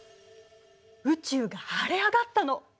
宇宙が晴れ上がったの！